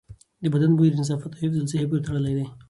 د بدن بوی د نظافت او حفظ الصحې پورې تړلی دی.